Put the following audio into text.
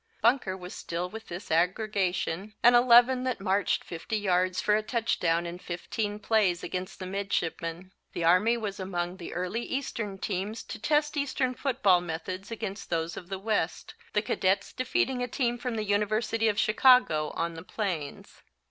Bunker was still with this aggregation, an eleven that marched fifty yards for a touchdown in fifteen plays against the midshipmen. The Army was among the early Eastern teams to test Eastern football methods against those of the West, the Cadets defeating a team from the University of Chicago on the plains.